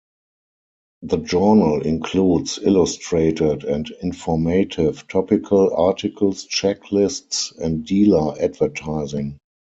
The journal includes illustrated and informative topical articles, checklists and dealer advertising.